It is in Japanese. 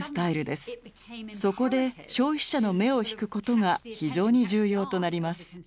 そこで消費者の目を引くことが非常に重要となります。